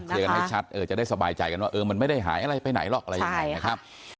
เคลียร์กันให้ชัดจะได้สบายใจกันว่ามันไม่ได้หายไปไหนหรอกอะไรอย่างนั้น